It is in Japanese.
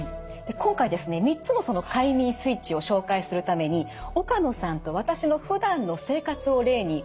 今回ですね３つのその快眠スイッチを紹介するために岡野さんと私のふだんの生活を例にお伝えしていきたいと思います。